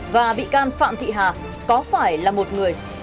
và bị can phạm thị hà có phải là một người